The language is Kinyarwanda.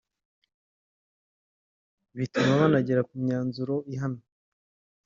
bituma banagera ku myanzuro ihamye